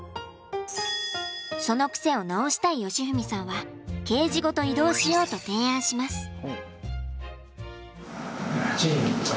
その癖を直したい喜史さんはケージごと移動しようと提案します。